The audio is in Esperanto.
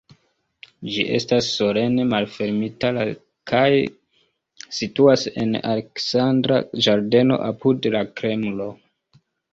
Ĝi estas solene malfermita la kaj situas en Aleksandra ĝardeno apud la Kremlo.